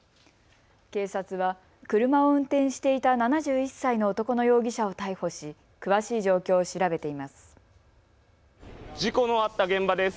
警察は車を運転していた７１歳の男の容疑者を逮捕し詳しい状況を調べています。